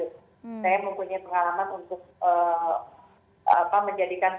saya mempunyai pengalaman untuk menjadi klinis